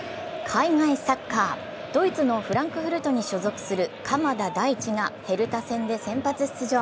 海外サッカー、ドイツのフランクフルトに所属する鎌田大地がヘルタ戦で先発出場。